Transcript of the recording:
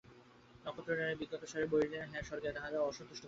নক্ষত্ররায় বিজ্ঞতাসহকারে বলিলেন, হাঁ, স্বর্গে তাঁহারা অসন্তুষ্ট হইবেন।